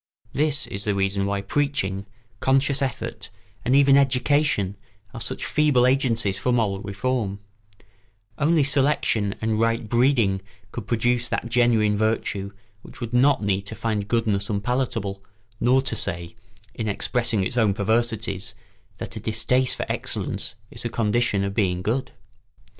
This is the reason why preaching, conscious effort, and even education are such feeble agencies for moral reform: only selection and right breeding could produce that genuine virtue which would not need to find goodness unpalatable nor to say, in expressing its own perversities, that a distaste for excellence is a condition of being good.